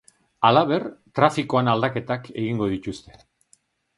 Halaber, trafikoan aldaketak egingo dituzte.